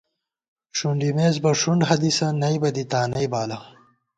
ݭُنڈِمېس بہ ݭُنڈحدیثہ، نئیبہ دی تانئ بالہ